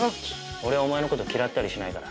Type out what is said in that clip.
俺はお前の事嫌ったりしないから。